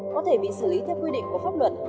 có thể bị xử lý theo quy định của pháp luật